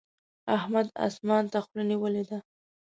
احمد اسمان ته خوله نيولې ده.